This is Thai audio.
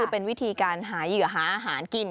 เป็นวิธีการหาเหยื่อหาอาหารกิน